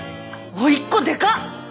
おいっ子でかっ！